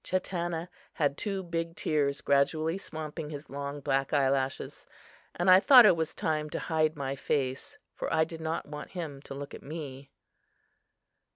Chatanna had two big tears gradually swamping his long, black eye lashes; and I thought it was time to hide my face, for I did not want him to look at me.